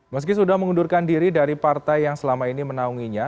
meski sudah mengundurkan diri dari partai yang selama ini menaunginya